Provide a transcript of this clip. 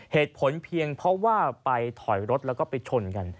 เหตุผลเพียงเพราะว่าไปถอยรถแล้วก็ไปชนกัน